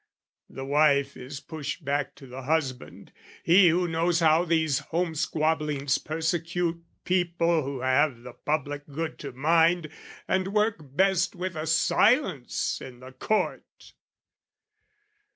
The wife is pushed back to the husband, he Who knows how these home squabblings persecute People who have the public good to mind, And work best with a silence in the court!